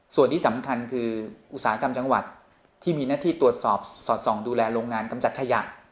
ส่วนที่สำคัญคืออุตสาหกรรมจังหวัดที่มีหน้าที่ตรวจสอบสอดส่องดูแลโรงงานกำจัดขยะ